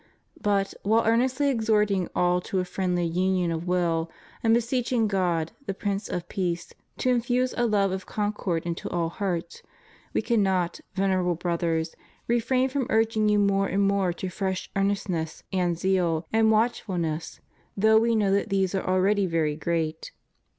But, while earnestly exhorting all to a friendly union of will, and beseeching God, the Prince of peace, to infuse a love of concord into all hearts. We cannot. Venerable Brothers, refrain from urging you more and more to fresh earnestness, and zeal, and watchfulness, though we know that these are already very great.